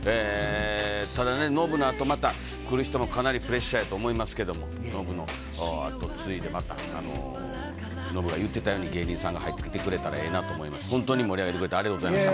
ただね、ノブのあと、また来る人もかなりプレッシャーやと思いますけど、ノブの後継いで、またノブが言ってたように、芸人さんが入ってきてくれたらええなと思いますし、本当に盛り上げてくれてありがとうございました。